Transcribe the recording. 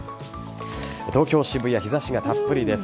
東京・渋谷日差しがたっぷりです。